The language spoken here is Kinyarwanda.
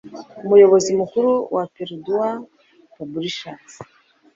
Umuyobozi Mukuru wa Perdua Publishers,